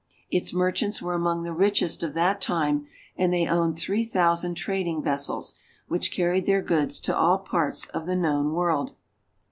Its merchants were among the richest of that time, and they owned three thousand trading vessels, which car ried their goods to all parts of the known world.